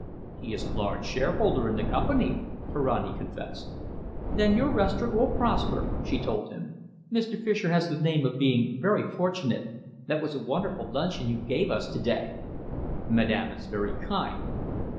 "He is a large shareholder in the company," Ferrani confessed. "Then your restaurant will prosper," she told him. "Mr. Fischer has the name of being very fortunate.... That was a wonderful luncheon you gave us to day." "Madame is very kind."